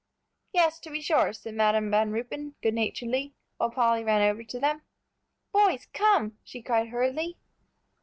"Yes, to be sure," said Madam Van Ruypen, good naturedly, while Polly ran over to them. "Boys, come!" she cried hurriedly.